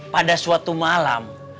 pada suatu malam